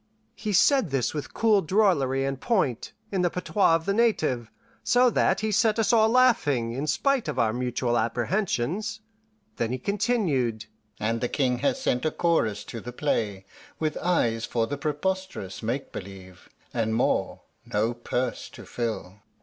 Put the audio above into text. He said this with cool drollery and point, in the patois of the native, so that he set us all laughing, in spite of our mutual apprehensions. Then he continued, "And the King has sent a chorus to the play, with eyes for the preposterous make believe, and more, no purse to fill."